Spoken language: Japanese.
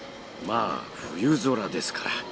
まあ冬空ですから。